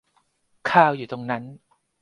คาร์ลอยู่ตรงนั้น